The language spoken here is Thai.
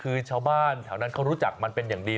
คือชาวบ้านแถวนั้นเขารู้จักมันเป็นอย่างดี